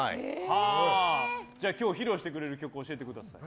じゃあ、今日披露してくれる曲を教えてください。